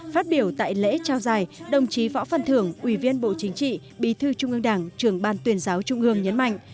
phát biểu tại lễ trao giải đồng chí võ văn thưởng ủy viên bộ chính trị bí thư trung ương đảng trưởng ban tuyên giáo trung ương nhấn mạnh